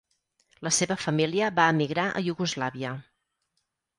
La seva família va emigrar a Iugoslàvia.